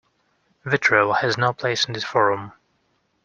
Vitriol has no place in this forum.